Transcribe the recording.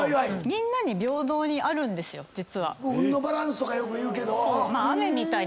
運のバランスとかよく言うけど。